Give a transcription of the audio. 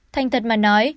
thành thật mà nói